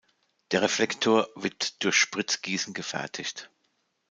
Der Reflektor wird durch Spritzgießen gefertigt.